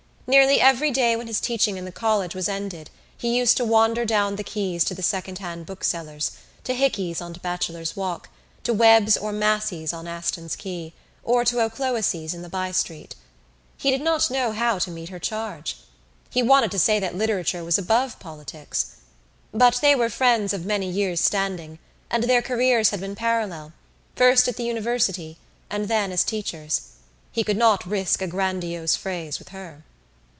Nearly every day when his teaching in the college was ended he used to wander down the quays to the second hand booksellers, to Hickey's on Bachelor's Walk, to Webb's or Massey's on Aston's Quay, or to O'Clohissey's in the by street. He did not know how to meet her charge. He wanted to say that literature was above politics. But they were friends of many years' standing and their careers had been parallel, first at the university and then as teachers: he could not risk a grandiose phrase with her.